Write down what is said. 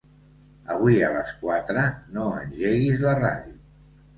Avui a les quatre no engeguis la ràdio.